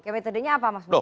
metodenya apa mas